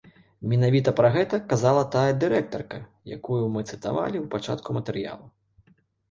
Менавіта пра гэта казала тая дырэктарка, якую мы цытавалі ў пачатку матэрыялу.